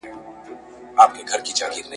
انګرېزانو تېښته کوله.